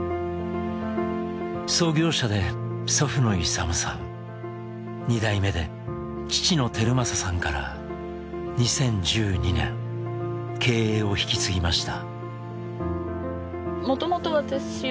創業者で祖父の勇さん２代目で父の昭正さんから２０１２年経営を引き継ぎました。